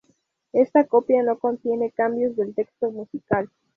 Esta copia no contiene cambios del texto musical.